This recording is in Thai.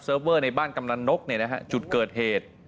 เซิร์ฟเวอร์ในบ้านกำลังนกเนี่ยนะฮะจุดเกิดเหตุ